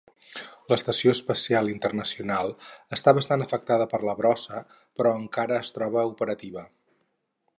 L'Estació Espacial Internacional està bastant afectada per la brossa, però encara es troba operativa.